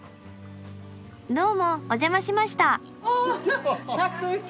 どうもお邪魔しました。